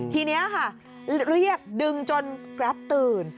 ทีนี้ค่ะเรียกดึงจนแกรปตื่น